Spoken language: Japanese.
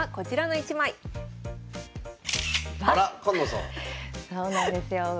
そうなんですよ。